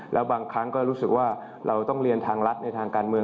แล้วบางครั้งก็รู้สึกว่าเราต้องเรียนทางรัฐในทางการเมือง